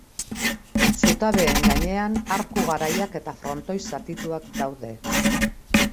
Zutabeen gainean arku garaiak eta frontoi zatituak daude.